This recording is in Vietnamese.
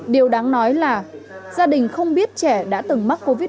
điều đáng nói là gia đình không biết trẻ đã từng mắc covid một mươi chín